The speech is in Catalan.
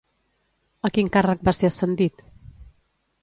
A quin càrrec va ser ascendit?